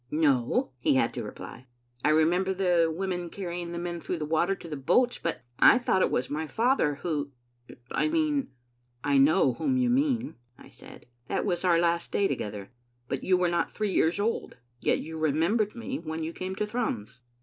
"No," he had to reply. "I remember the women carrying the men through the water to the boats, but I thought it was my father who — I mean " "I know whom you mean," I said. "That was our last day together, but you were not three years old. Yet you remembered me when you came to Thrums.